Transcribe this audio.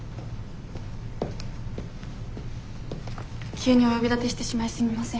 急にお呼び立てしてしまいすみません。